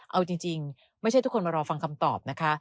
เอาจริงไม่ใช่ทุกคนมารอฟังคำตอบนะคะ